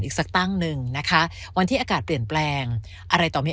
อีกสักตั้งหนึ่งนะคะวันที่อากาศเปลี่ยนแปลงอะไรต่อไม่